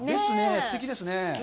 すてきですね。